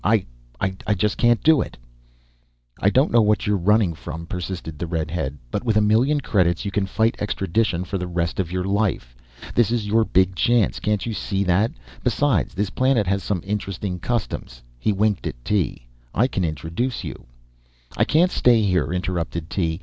"I ... I just can't do it." "I don't know what you're running from," persisted the redhead, "but with a million credits you can fight extradition for the rest of your life. This is your big chance, can't you see that. Besides, this planet has some interesting customs." He winked at Tee. "I can introduce you " "I can't stay here," interrupted Tee.